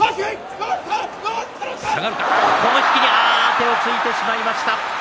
手をついてしまいました。